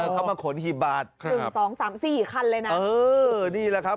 อ๋อเข้ามาขนกี่บาทครับหนึ่งสองสามสี่คันเลยน่ะเออนี่แหละครับ